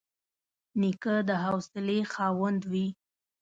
نیکه د حوصلې خاوند وي.